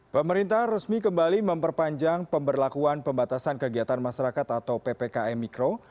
pemerintah resmi kembali memperpanjang pemberlakuan pembatasan kegiatan masyarakat atau ppkm mikro